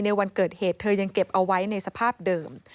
วันเกิดเหตุเธอยังเก็บเอาไว้ในสภาพเดิม